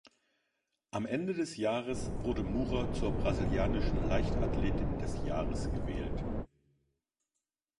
Am Ende des Jahres wurde Murer zur brasilianischen Leichtathletin des Jahres gewählt.